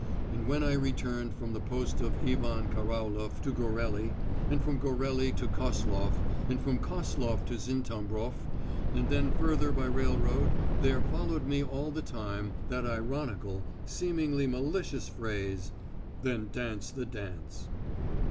And when I returned from the post of Ivan Karaulof to Goreli, and from Goreli to Koslof, and from Koslof to Zintabrof, and then further by railroad there followed me all the time that ironical, seemingly malicious phrase, "Then dance the dance."